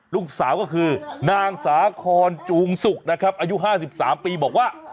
ลูกสาวก็คือนางสาคอนจูงสุกนะครับอายุ๕๓ปีบอกว่า